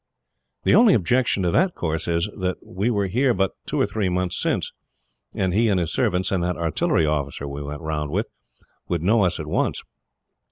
"The only objection to that course is that we were here but two or three months since, and he and his servants, and that artillery officer we went round with, would know us at once.